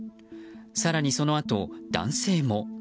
更にそのあと、男性も。